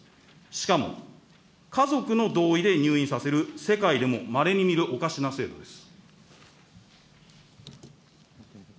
しかも、家族の同意で入院させる、世界でもまれに見るおかしな制度です。